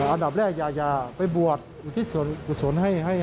อันดับแรกอยากจะไปบวชอุทธิศส่วนให้เขาดีกว่าครับผม